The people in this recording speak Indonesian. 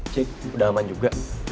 cik udah aman juga